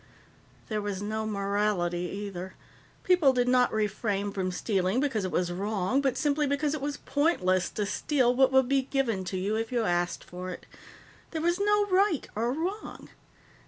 "There was no morality, either. People did not refrain from stealing because it was wrong, but simply because it was pointless to steal what would be given to you if you asked for it. There was no right or wrong.